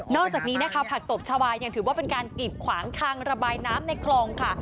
จากนี้นะคะผักตบชาวายังถือว่าเป็นการกิดขวางทางระบายน้ำในคลองค่ะ